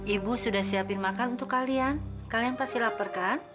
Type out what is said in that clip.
ibu sudah siapin makan untuk kalian kalian pasti laporkan